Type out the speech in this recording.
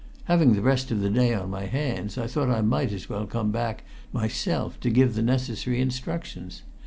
"Having the rest of the day on my hands, I thought I might as well come back myself to give the necessary instructions.